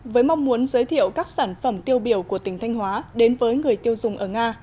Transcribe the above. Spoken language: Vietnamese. với mong muốn giới thiệu các sản phẩm tiêu biểu của tỉnh thanh hóa đến với người tiêu dùng ở nga